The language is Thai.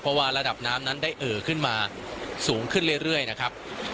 เพราะว่าระดับน้ำนั้นได้เอ่อขึ้นมาสูงขึ้นเรื่อยนะครับ